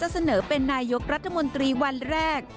เสนอเป็นนายกรัฐมนตรีวันแรก